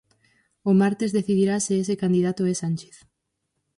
O martes decidirá se ese candidato é Sánchez.